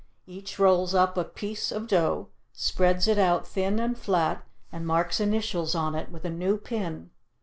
Each rolls up a piece of dough, spreads it out thin and flat, and marks initials on it with a new pin.